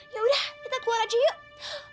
ya udah kita keluar aja yuk